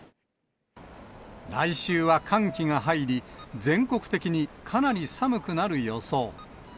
来週は寒気が入り、全国的にかなり寒くなる予想。